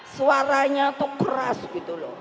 suaranya itu keras gitu loh